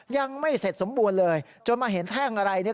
ยังไม่เสร็จสมบูรณ์เลยจนมาเห็นแท่งอะไรเนี่ย